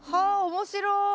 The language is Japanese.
面白い。